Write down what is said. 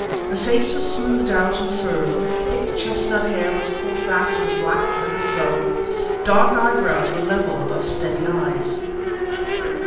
The face was smoothed out and firm; thick chestnut hair was caught back with a black ribbon bow. Dark eyebrows were level above the steady eyes.